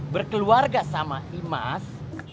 berkeluarga sama imas